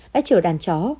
đã chở đàn chó